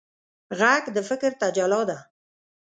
غږ د فکر تجلی ده